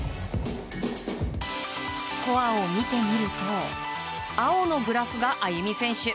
スコアを見てみると青のグラフがＡＹＵＭＩ選手。